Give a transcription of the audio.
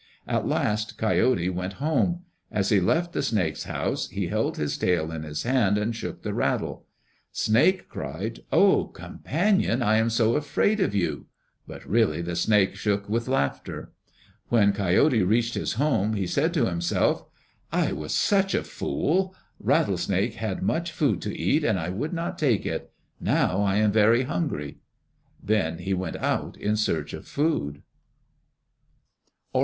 At last Coyote went home. As he left the snake's house, he held his tail in his hand and shook the rattle. Snake cried, "Oh, companion! I am so afraid of you!" but really the snake shook with laughter. When Coyote reached his home he said to himself, "I was such a fool. Rattlesnake had much food to eat and I would not take it. Now I am very hungry." Then he went out in search of food.